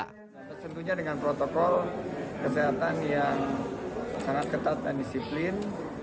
tentunya dengan protokol kesehatan yang sangat ketat dan disiplin